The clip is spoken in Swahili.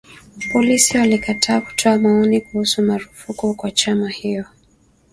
Polisi walikataa kutoa maoni kuhusu marufuku kwa chama hiyo